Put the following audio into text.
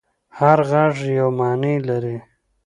هر غږ یوه معنی لري.